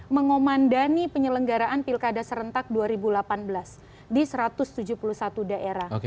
mengomandani penyelenggaraan pilkada serentak dua ribu delapan belas di satu ratus tujuh puluh satu daerah